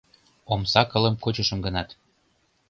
Омса кылым кучышым гынат